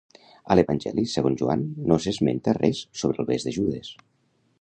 A l'Evangeli segons Joan, no s'esmenta res sobre el bes de Judes.